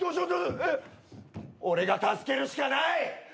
俺が助けるしかない。